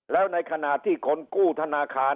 แล้วในขณะที่คนกู้ธนาคาร